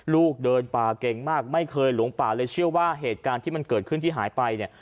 ลูกเดินป่าเก่งมากไม่เคยหลงป่าเลยเชื่อว่าเหตุการณ์ที่มันเกิดขึ้นที่หายไปเนี่ย